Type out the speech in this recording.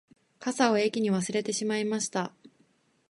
傘を駅に忘れてしまいました